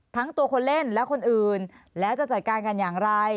ทั้งตัวคนเล่นและคนอื่นแล้วจะจัดการกันอย่างไร